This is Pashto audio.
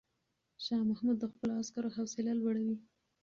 شاه محمود د خپلو عسکرو حوصله لوړوي.